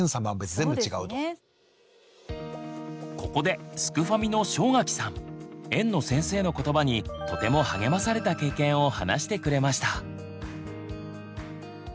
ここですくファミの正垣さん園の先生の言葉にとても励まされた経験を話してくれました。